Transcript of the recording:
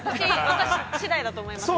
◆私、次第だと思います。